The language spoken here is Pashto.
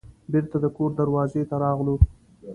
بیرته د کور دروازې ته راغلو.